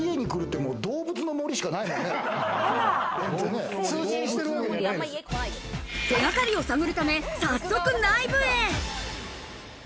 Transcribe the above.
手掛かりを探るため、早速内部へ。